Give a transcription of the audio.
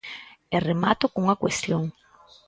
E remato cunha cuestión.